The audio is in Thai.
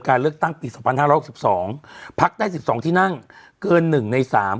การเลือกตั้งปีสองพันห้าร้อยสิบสองภักดิ์ได้สิบสองที่นั่งเกินหนึ่งในสาม